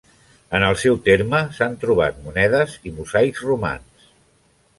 En el seu terme s'han trobat monedes i mosaics romans.